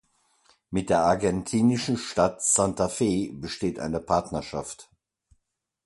Mit der argentinischen Stadt Santa Fe besteht eine Partnerschaft.